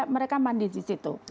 dia mereka mandi disitu